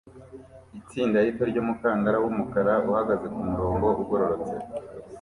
Itsinda rito ryumukandara wumukara uhagaze kumurongo ugororotse